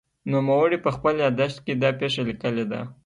نوموړي په خپل یادښت کې دا پېښه لیکلې ده.